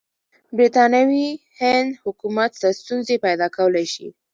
برټانوي هند حکومت ته ستونزې پیدا کولای شي.